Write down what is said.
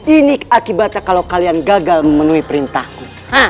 ini akibatnya kalau kalian gagal memenuhi perintahku